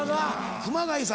熊谷さん